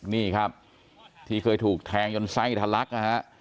นี่ครับที่เคยถูกแทงจนไส้ทะลักนะฮะ